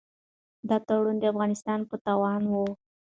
دا تړون د افغانستان په تاوان و.